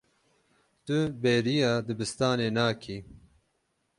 Tu bêriya dibistanê nakî.